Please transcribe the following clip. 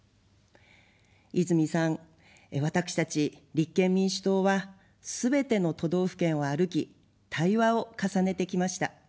泉さん、私たち立憲民主党は、すべての都道府県を歩き、対話を重ねてきました。